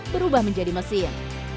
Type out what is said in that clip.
berubah menjadi mesin